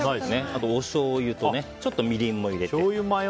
あと、おしょうゆとちょっとみりんも入れて。